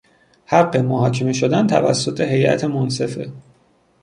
حق محاکمه شدن توسط هیئت منصفه